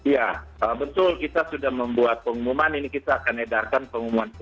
ya betul kita sudah membuat pengumuman ini kita akan edarkan pengumuman